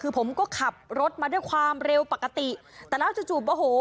คือผมก็ขับรถมาด้วยความเร็วปกติแต่แล้วจู่จู่โอ้โห